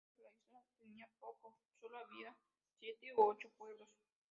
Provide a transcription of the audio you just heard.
En ese momento la isla tenía poco, sólo había siete u ocho pueblos.